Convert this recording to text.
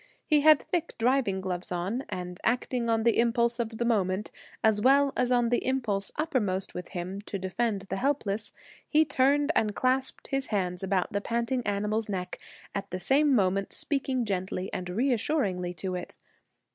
He had thick driving gloves on, and acting on the impulse of the moment, as well as on the impulse uppermost with him to defend the defenceless, he turned and clasped his hands about the panting animal's neck, at the same moment speaking gently and reassuringly to it.